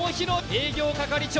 営業係長